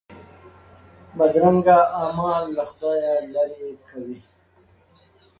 بدرنګه اعمال له خدایه لیرې کوي